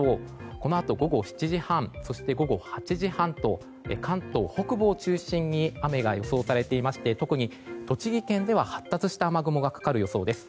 このあと午後７時半そして８時半と関東北部を中心に雨が予想されていまして特に栃木県では発達した雨雲がかかる予想です。